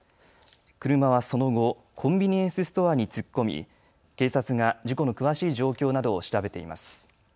車はその後コンビニエンスストアに突っ込み警察が事故の詳しい状況などを調べています。